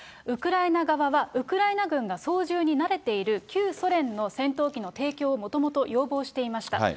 ウクライナ側は、ウクライナ軍が操縦に慣れている、旧ソ連の戦闘機の提供をもともと要望していました。